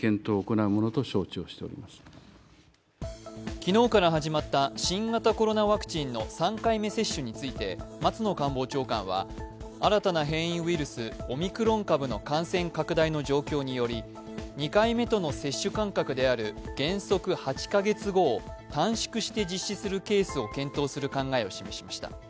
昨日から始まった新型コロナワクチンの３回目接種について松野官房長官は新たな変異ウイルス・オミクロン株の感染拡大の状況により、２回目との接種間隔である原則８カ月後を短縮して実施するケースを検討する考えを示しました。